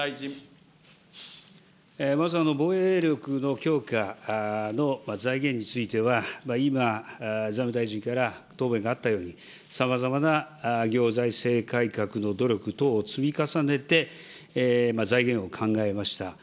まず、防衛力の強化の財源については、今、財務大臣から答弁があったように、さまざまな行財政改革の努力等を積み重ねて、財源を考えました。